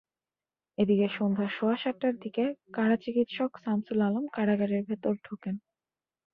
এদিকে সন্ধ্যা সোয়া সাতটার দিকে কারা চিকিৎসক শামসুল আলম কারাগারের ভেতর ঢোকেন।